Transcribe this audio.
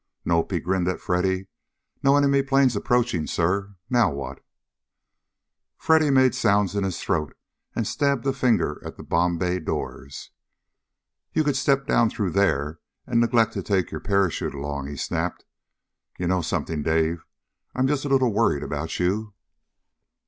"Nope," he grinned at Freddy. "No enemy planes approaching, sir. Now what?" Freddy made sounds in his throat and stabbed a finger at the bomb bay doors. "You could step down through there, and neglect to take your parachute along!" he snapped. "You know something, Dave? I'm just a little worried about you."